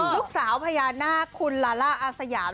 ลูกสาวพญานาคคุณลาล่าอาสยาม